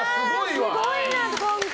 すごいな今回。